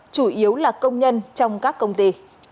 chủ yếu là công nhân trong các công ty